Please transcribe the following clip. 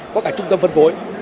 có cả trung tâm phân phối